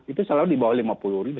itu selalu di bawah lima puluh ribu